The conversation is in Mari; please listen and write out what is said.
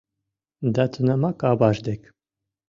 Да тунамак аваж дек